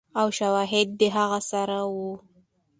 او شواهد د هغه سره ؤ